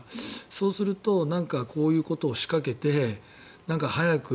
そうするとこういうことを仕掛けて早く。